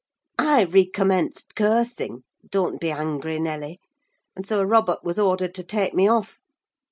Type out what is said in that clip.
"I recommenced cursing—don't be angry, Nelly—and so Robert was ordered to take me off.